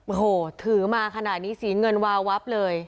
โอ้โหถือมาขนาดนี้สีเงินวาวับเลย